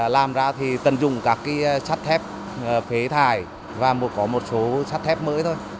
làm ra thì tần dùng các sắt thép phế thải và có một số sắt thép mới thôi